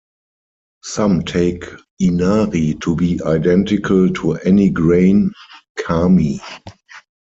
Some take Inari to be identical to any grain "kami".